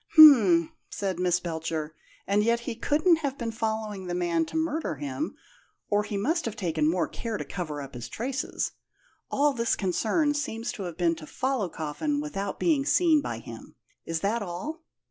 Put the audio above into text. "H'm," said Miss Belcher; "and yet he couldn't have been following the man to murder him, or he must have taken more care to cover up his traces. All his concern seems to have been to follow Coffin without being seen by him. Is that all?"